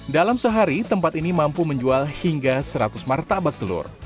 dalam sehari tempat ini mampu menjual hingga seratus martabak telur